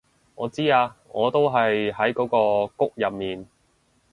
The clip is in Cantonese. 我知啊我都喺嗰個谷入面